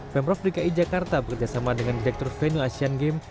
pemprov dki jakarta bekerjasama dengan direktur venue asean game